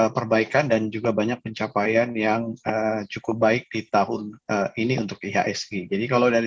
perbaikan dan juga banyak pencapaian yang cukup baik di tahun ini untuk ihsg jadi kalau dari